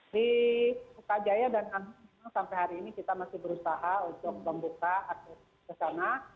di sukajaya dan nanggung sampai hari ini kita masih berusaha untuk membuka ke sana